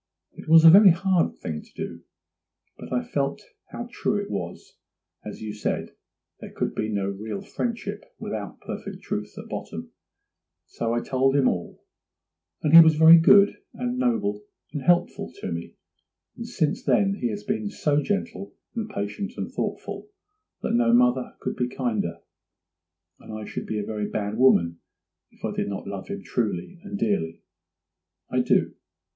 It was a very hard thing to do; but I felt how true it was, as you said, there could be no real friendship without perfect truth at bottom; so I told him all, and he was very good, and noble, and helpful to me; and since then he has been so gentle, and patient, and thoughtful, that no mother could be kinder, and I should be a very bad woman if I did not love him truly and dearly—I do.